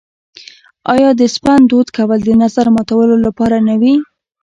آیا د سپند دود کول د نظر ماتولو لپاره نه وي؟